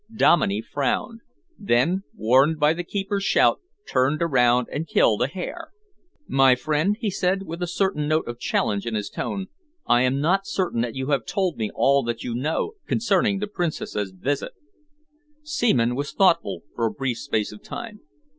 Dominey frowned, then, warned by the keeper's shout, turned around and killed a hare. "My friend," he said, with a certain note of challenge in his tone, "I am not certain that you have told me all that you know concerning the Princess's visit." Seaman was thoughtful for a brief space of time.